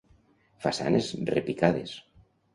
Façanes repicades.